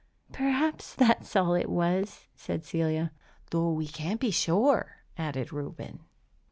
"Perhaps that's all it was," said Celia. "Though we can't be sure," added Reuben.